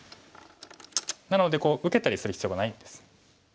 なので受けたりする必要がないんです。